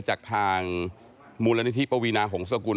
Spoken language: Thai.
จากทางมูลนิธิปวีนาหงษกุล